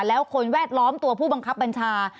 แล้วคนแวดล้อมตัวผู้บังคับบัญชา